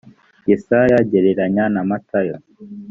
yesaya gereranya na matayo